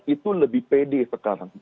itu lebih pede sekarang